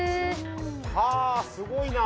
はぁすごいな。